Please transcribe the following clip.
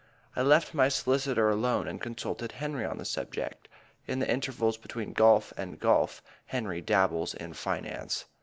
I left my solicitor alone and consulted Henry on the subject. In the intervals between golf and golf Henry dabbles in finance.